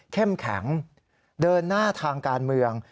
เข้มแข็งเดินหน้าทางการเมือง